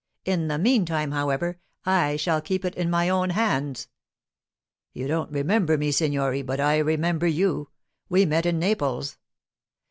In the meantime, however, I shall keep it in my own hands.' 'You don't remember me, signore, but I remember you. We met in Naples.